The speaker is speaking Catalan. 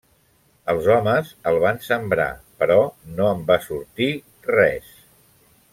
Els homes el van sembrar, però no en va sortir res.